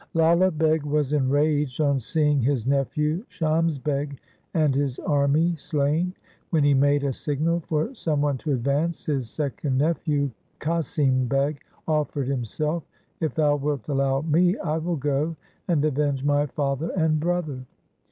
Lala Beg was enraged on seeing his nephew Shams Beg and his army slain. When he made a signal for some one to advance, his second nephew, Qasim Beg, offered himself, ' If thou wilt allow me, I will go and avenge my father and brother.'